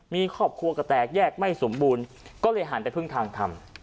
มีครอบครัวก็แตกแยกไม่สมบูรณ์ก็เลยหันไปพึ่งทางทำ